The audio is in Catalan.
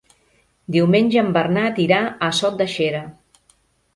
Diumenge en Bernat irà a Sot de Xera.